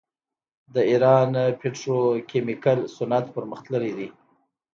د ایران پتروکیمیکل صنعت پرمختللی دی.